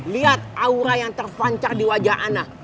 lihat aura yang terpancar di wajah anak